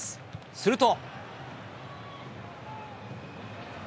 すると。